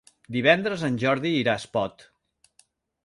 Divendres en Jordi irà a Espot.